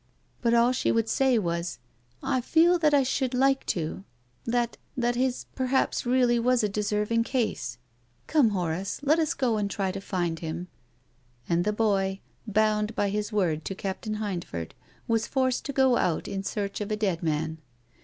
" But all she would say was, " I feel that I should like to, that — that his perhaps really was a deserv ing case. Come, Horace, let us go and try to find h»» im. And the boy, bound by his word to Captain Hindford, was forced to go out in search of a dead man.